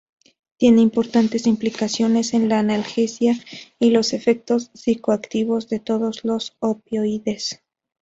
Tiene importantes implicaciones en la analgesia y los efectos psicoactivos de todos los opioides.